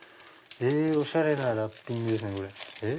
おしゃれなラッピングですね。